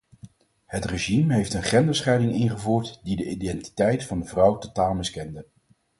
Het regime heeft een genderscheiding ingevoerd die de identiteit van de vrouw totaal miskende.